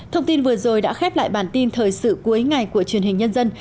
thông tin vừa rồi đã khép lại bản tin thời sự cuối ngày của truyền hình nhân dân